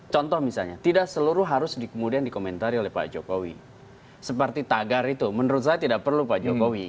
contoh misalnya tidak seluruh harus kemudian dikomentari oleh pak jokowi seperti tagar itu menurut saya tidak perlu pak jokowi